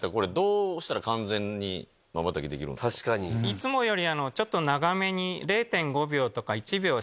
いつもよりちょっと長めに。